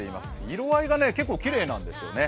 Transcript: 色合いが結構きれいなんですよね。